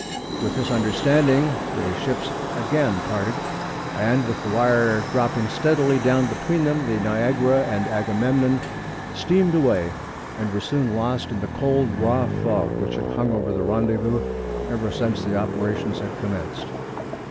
With this understanding the ships again parted, and, with the wire dropping steadily down between them, the Niagara and Agamemnon steamed away, and were soon lost in the cold, raw fog, which had hung over the rendezvous ever since the operations had commenced.